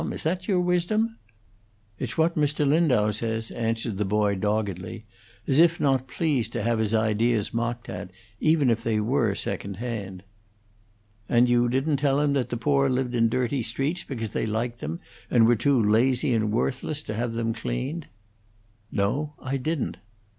Is that your wisdom?" "It's what Mr. Lindau says," answered the boy, doggedly, as if not pleased to have his ideas mocked at, even if they were second hand. "And you didn't tell him that the poor lived in dirty streets because they liked them, and were too lazy and worthless to have them cleaned?" "No; I didn't."